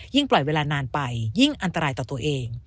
ปล่อยเวลานานไปยิ่งอันตรายต่อตัวเอง